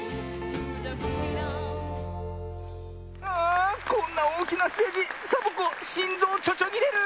あこんなおおきなステージサボ子しんぞうちょちょぎれる！